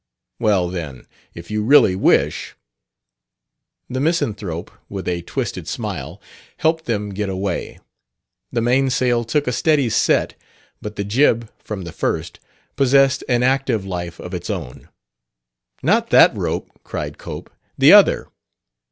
"Well, then, if you really wish ..." The misanthrope, with a twisted smile, helped them get away. The mainsail took a steady set; but the jib, from the first, possessed an active life of its own. "Not that rope," cried Cope; "the other."